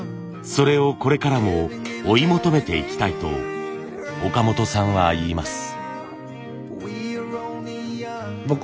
それをこれからも追い求めていきたいと岡本さんは言います。